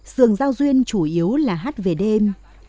sườn giao duyên chủ yếu là hát về đêm